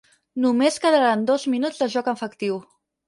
Només quedaran dos minuts de joc efectiu.